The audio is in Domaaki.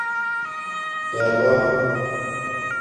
ڈبا